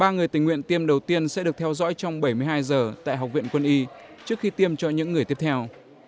ba người tình nguyện tiêm đầu tiên sẽ được theo dõi trong bảy mươi hai giờ tại học viện quân y trước khi tiêm cho những người tiếp theo